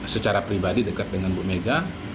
secara pribadi dekat dengan bumega